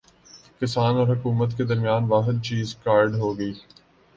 کسان اور حکومت کے درمیان واحد چیز کارڈ ہوگی